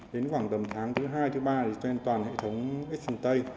đến khoảng tầm tháng thứ hai thứ ba thì tuyên toàn hệ thống homestay